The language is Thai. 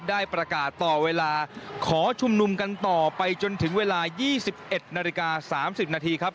ได้ประกาศต่อเวลาขอชุมนุมกันต่อไปจนถึงเวลา๒๑นาฬิกา๓๐นาทีครับ